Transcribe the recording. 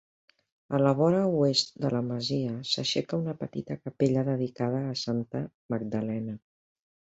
A la vora oest de la masia s'aixeca una petita capella dedicada a Santa Magdalena.